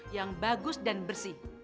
yang bagus dan bersih